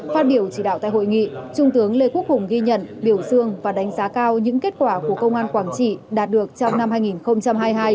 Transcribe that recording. phát biểu chỉ đạo tại hội nghị trung tướng lê quốc hùng ghi nhận biểu dương và đánh giá cao những kết quả của công an quảng trị đạt được trong năm hai nghìn hai mươi hai